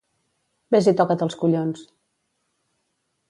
Ves i toca't els collons!